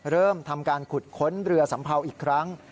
เริ่มทำการขุดค้นเรือสัมเภาอีกครั้ง